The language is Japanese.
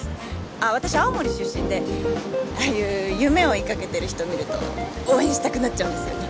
あっ私青森出身でああいう夢追いかけてる人見ると応援したくなっちゃうんですよね。